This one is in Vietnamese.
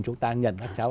chúng ta nhận các cháu